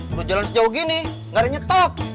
udah jalan sejauh gini nggak ada nyetok